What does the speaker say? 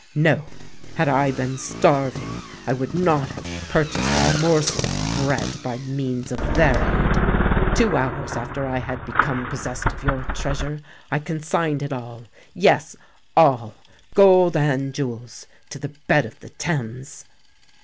No: had I been starving, I would not have purchased a morsel of bread by means of their aid! Two hours after I had become possessed of your treasure, I consigned it all—yes, all—gold and jewels—to the bed of the Thames!"